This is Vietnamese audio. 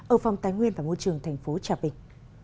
ở phòng tái nguyên và môi trường tp trà vinh